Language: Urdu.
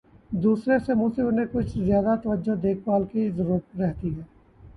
دوسرے سے مختلف، انہیں کچھ زیادہ توجہ، دیکھ بھال کی ضرورت رہتی ہے۔